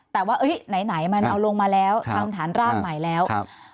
แต่ว่าไหนมันเอาลงมาแล้วทำฐานรากใหม่แล้ว